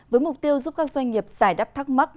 với mục tiêu giúp các doanh nghiệp giải đáp thắc mắc